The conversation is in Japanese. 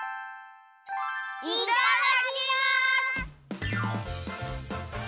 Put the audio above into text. いただきます！